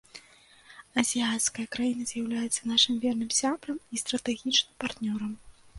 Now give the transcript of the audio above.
Азіяцкая краіна з'яўляецца нашым верным сябрам і стратэгічным партнёрам.